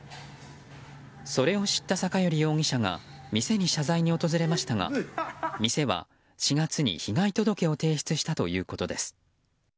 それを知った酒寄容疑者が店に謝罪に訪れましたが店は４月に被害届を提出したということです。